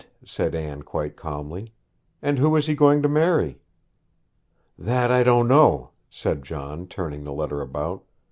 said Anne quite calmly. 'And who is he going to marry?' 'That I don't know,' said John, turning the letter about.